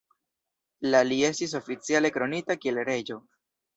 La li estis oficiale kronita kiel reĝo.